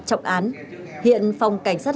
trọng án hiện phòng cảnh sát